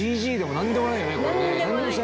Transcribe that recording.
何でもないですね。